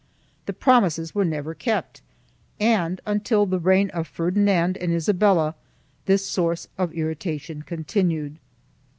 The promises were never kept and, Until the reign of Ferdinand and Isabella, this source of irritation continued.